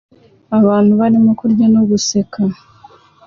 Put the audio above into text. Abantu barimo kurya no guseka